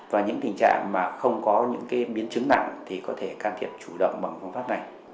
và những tình trạng mà không có những biến chứng nặng thì có thể cắt túi mật